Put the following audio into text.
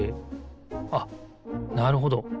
あっなるほど。